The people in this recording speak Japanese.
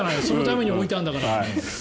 そのために置いてあるんだから。